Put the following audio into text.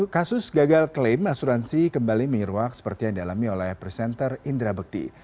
kasus gagal klaim asuransi kembali menyeruak seperti yang dialami oleh presenter indra bekti